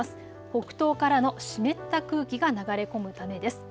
北東からの湿った空気が流れ込むためです。